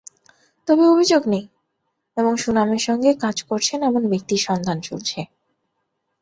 তবে অভিযোগ নেই এবং সুনামের সঙ্গে কাজ করছেন এমন ব্যক্তির সন্ধান চলছে।